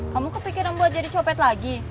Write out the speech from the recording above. kamu kepikiran buat jadi copet lagi